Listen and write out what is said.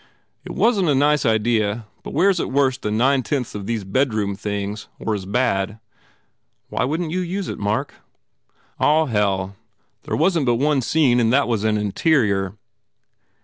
It wasn t a nice idea but where s it worse than nine tenths these bedroom things or as bad?" "Why wouldn t you use it, Mark?" "Oh, hell, there wasn t but one scene and that was an interior!"